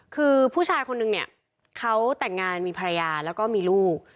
คือผู้ชายคนนึงเนี่ยเขาแต่งงานมีภรรยาแล้วก็มีลูก